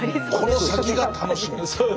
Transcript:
この先が楽しみです。